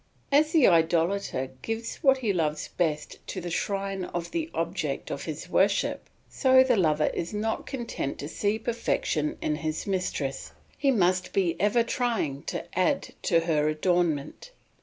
As the idolater gives what he loves best to the shrine of the object of his worship, so the lover is not content to see perfection in his mistress, he must be ever trying to add to her adornment.